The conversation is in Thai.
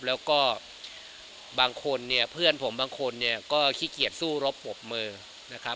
แล้วก็บางคนเนี่ยเพื่อนผมบางคนเนี่ยก็ขี้เกียจสู้รบปรบมือนะครับ